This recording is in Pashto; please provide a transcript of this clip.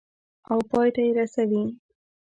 او پای ته یې رسوي.